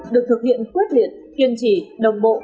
được thực hiện quyết liện kiên trì đồng bộ